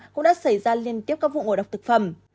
cũng đã xảy ra liên tiếp các vụ ngồi đọc thực phẩm